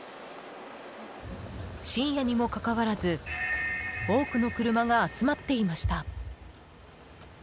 深夜にもかかわらず多くの車が集まっていました。